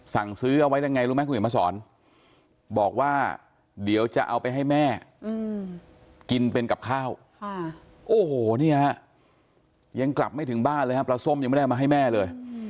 สั่งซื้อเอาไว้แล้วไงรู้ไหมคุณเห็นมาสอนบอกว่าเดี๋ยวจะเอาไปให้แม่กินเป็นกับข้าวโอ้โหนี่ฮะยังกลับไม่ถึงบ้านเลยครับปลาส้มยังไม่ได้เอามาให้แม่เลย